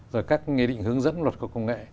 rồi các nghị định hướng dẫn luật của công nghệ